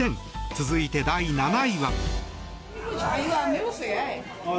続いて第７位は。